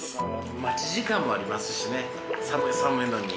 待ち時間もありますしね寒いのに。